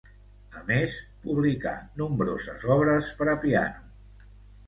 A més, publicà nombroses obres per a piano.